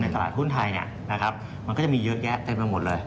ในตลาดหุ้นไทยนะครับมันก็จะมีเยอะแก๊สเต็มไปหมดเลย